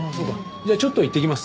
じゃあちょっと行ってきます。